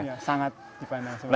iya sangat dipandang sebelah mata